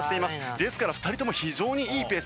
ですから２人とも非常にいいペース